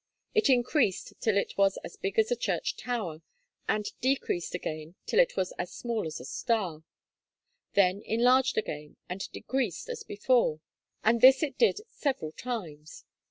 It increased till it was as big as a church tower, and decreased again till it was as small as a star; then enlarged again and decreased as before; and this it did several times.